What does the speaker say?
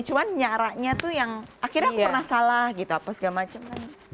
cuma nyaraknya tuh yang akhirnya aku pernah salah gitu apa segala macem